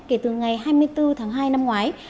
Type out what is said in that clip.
kể từ ngày hai mươi bốn tháng hai năm ngoái